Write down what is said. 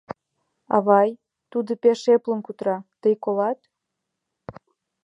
Авай, тудо пеш эплын кутыра, тый колат мо?